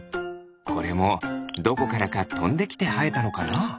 これもどこからかとんできてはえたのかな？